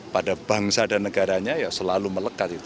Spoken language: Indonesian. pada bangsa dan negaranya selalu melekat